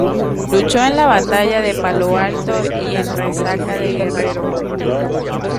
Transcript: Luchó en la batalla de Palo Alto y en Resaca de Guerrero.